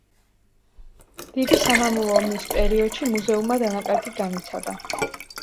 დიდი სამამულო ომის პერიოდში მუზეუმმა დანაკარგი განიცადა.